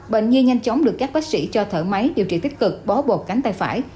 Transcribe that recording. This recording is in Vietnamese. bệnh nhi nhanh chóng được các bác sĩ cho thở máy điều trị tích cực bó bột cánh tay phải